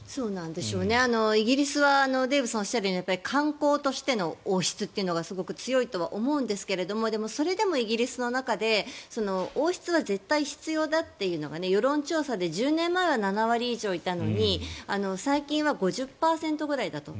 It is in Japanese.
イギリスはデーブさんがおっしゃるように観光としての王室というのがすごく強いと思うんですがでも、それでもイギリスの中で王室は絶対必要だというのが世論調査で１０年前は７割以上いたのに最近は５０％ぐらいだと。